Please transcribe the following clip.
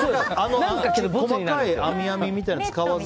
細かいあみあみみたいなの使わず？